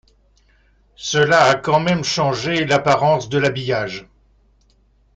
Cela a quand même changé l'apparence de l'habillage.